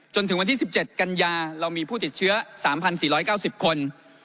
จนถึงวันที่๑๗กันยาเรามีผู้ติดเชื้อ๓๔๙๐คน